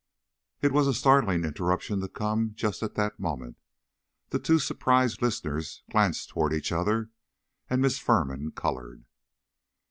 It was a startling interruption to come just at that moment The two surprised listeners glanced toward each other, and Miss Firman colored.